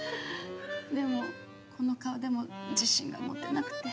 でもこの顔でも自信が持てなくて。